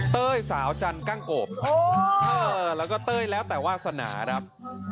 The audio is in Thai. เต้ยสาวจันกั้งโกบแล้วก็เต้ยแล้วแต่วาสนาครับ